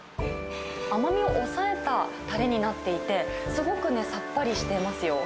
甘みを抑えたたれになっていて、すごくさっぱりしてますよ。